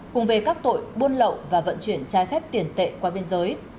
cùng về các tội buôn lậu và vận chuyển trái phép tiền tệ qua biên giới